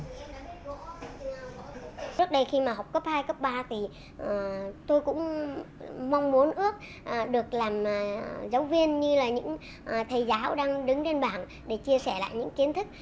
trước đây khi mà học cấp hai cấp ba thì tôi cũng mong muốn ước được làm giáo viên như là những thầy giáo đang đứng lên bảng để chia sẻ lại những kiến thức